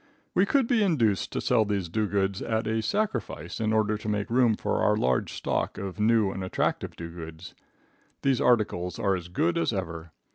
We could be induced to sell these dogoods at a sacrifice, in order to make room for our large stock of new and attractive dogoods. These articles are as good as ever.